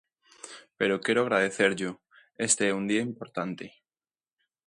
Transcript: Pero quero agradecerllo, este é un día importante.